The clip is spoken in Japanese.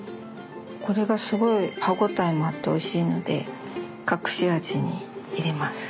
これがすごい歯応えもあっておいしいので隠し味に入れます。